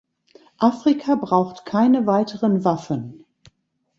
Afrika braucht keine weiteren Waffen.